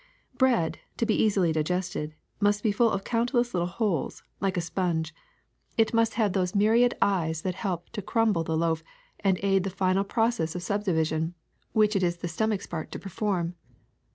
Bread, to be easily digested, must be full of count less little holes, like a sponge; it must have those 261 262 THE SECRET OF EVERYDAY THINGS myriad eyes that help to crumble the loaf and aid the final process of subdivision which it is the stom ach's part to perform.